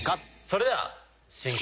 それでは。